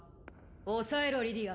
抑えろリディア